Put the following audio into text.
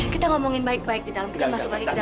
kita ngomongin baik baik di dalam kita masuk lagi ke dalam